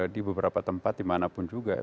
di beberapa tempat dimanapun juga